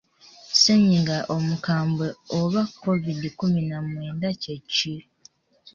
Ssennyiga omukambwe Oba Kovidi kkumi na mwenda kye ki?